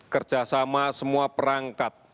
kerjasama semua perangkat